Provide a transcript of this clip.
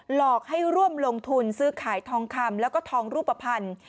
หลอกให้ร่วมลงทุนซื้อขายทองคำแล้วก็ทองรูปภัณฑ์